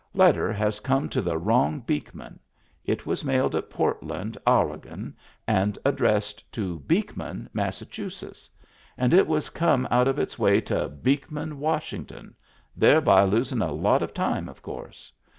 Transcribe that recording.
Letter has come to the wrong Beekman. It was mailed at Portland, Awregon, and ad dressed to " Beekman, Massachusetts," and it has come out of its way to "Beekman, Wash ington," thereby losin' a lot of time, of course.